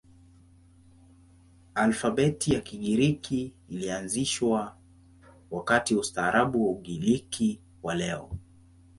Alfabeti ya Kigiriki ilianzishwa wakati wa ustaarabu wa Ugiriki wa leo.